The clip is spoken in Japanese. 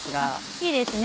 いいですね